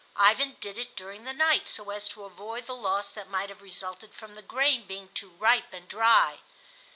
Ivan did it during the night, so as to avoid the loss that might have resulted from the grain being too ripe and dry.